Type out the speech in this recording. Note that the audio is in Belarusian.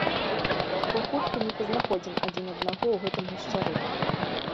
Бо хутка не пазнаходзім адзін аднаго ў гэтым гушчары.